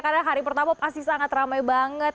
karena hari pertama pasti sangat ramai banget